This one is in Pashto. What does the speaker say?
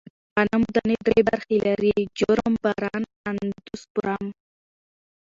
غنمو دانې درې برخې لري: جرم، بران، اندوسپرم.